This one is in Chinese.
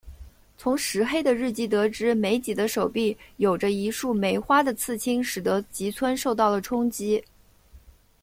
从石黑的日记得知美几的手臂有着一束梅花的刺青使得吉村受到了冲击。